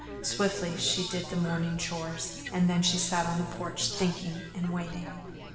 Swiftly she did the morning chores and then she sat on the porch thinking and waiting.